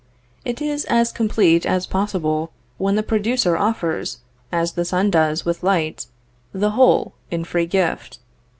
It is as complete as possible when the producer offers, as the sun does with light, the whole in free gift.